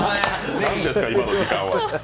何ですか、今の時間は。